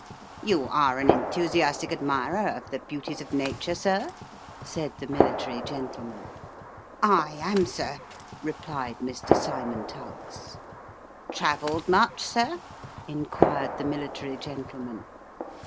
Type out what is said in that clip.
You are an enthusiastic admirer of the beauties of Nature, sir '?" said the military gentleman. " I am, sir," replied Mr. Cymon Tuggs. " Travelled much, sir ?" inquired the military gentleman.